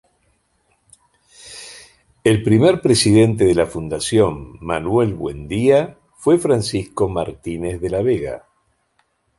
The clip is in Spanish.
El primer Presidente de la Fundación Manuel Buendía fue Francisco Martínez de la Vega.